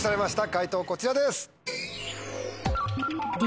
解答こちらです。